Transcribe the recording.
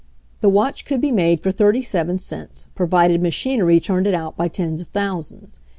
The watch could be made for thirty seven cents, provided machinery turned it out by tens of thousands.